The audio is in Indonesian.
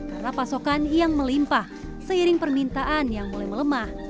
karena pasokan yang melimpah seiring permintaan yang mulai melemah